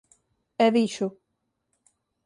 E dixo: